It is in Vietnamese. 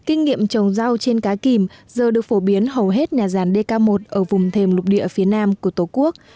kinh nghiệm trồng rau trên cá kìm giờ được phổ biến hầu hết nhà ràn dk một ở vùng thềm lục địa phía nam của tổ quốc